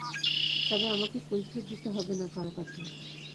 তবে আমাকে কৈফিয়ত দিতে হবে না কারো কাছে।